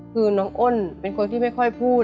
คือน้องอ้นเป็นคนที่ไม่ค่อยพูด